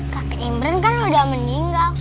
kakek imran kan udah meninggal